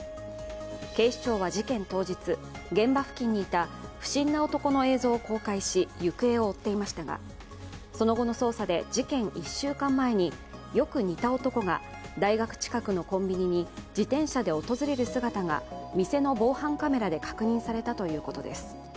警視庁は事件当日、現場付近にいた不審な男の映像を公開し行方を追っていましたがその後の捜査で、事件１週間前によく似た男が大学近くのコンビニに自転車で訪れる姿が店の防犯カメラで確認されたということです。